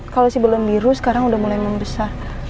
kalau si bulan biru sekarang udah mulai membesar